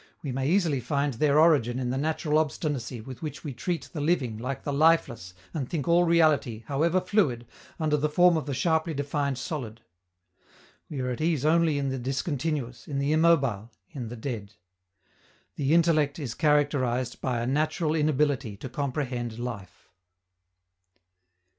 We may easily find their origin in the natural obstinacy with which we treat the living like the lifeless and think all reality, however fluid, under the form of the sharply defined solid. We are at ease only in the discontinuous, in the immobile, in the dead. _The intellect is characterized by a natural inability to comprehend life.